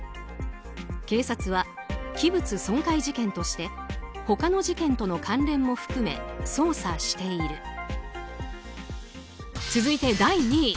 警察は器物損壊事件として他の事件との関連も含め捜査している。